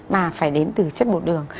mà phải đến từ chất bột đường